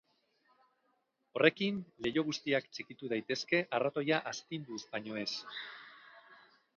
Horrekin, leiho guztiak txikitu daitezke arratoia astinduz baino ez.